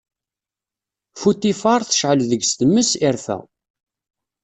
Futifaṛ tecɛel deg-s tmes, irfa.